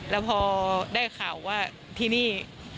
แล้วพอได้ข่าวว่าที่นี่